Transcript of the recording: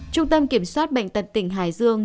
trung tâm kiểm soát bệnh tận tỉnh hải dương